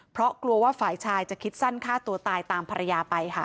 เพราะกลัวว่าฝ่ายชายจะคิดสั้นฆ่าตัวตายตามภรรยาไปค่ะ